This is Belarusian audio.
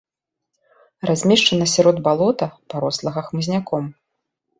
Размешчана сярод балота, парослага хмызняком.